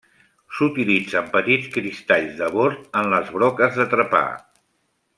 S'utilitzen petits cristalls de bord en les broques de trepar.